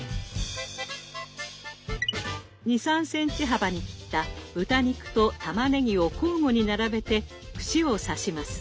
２３ｃｍ幅に切った豚肉とたまねぎを交互に並べて串を刺します。